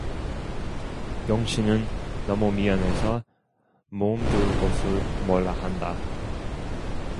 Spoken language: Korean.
영신은 너무 미안해서 몸둘 곳을 몰라한다.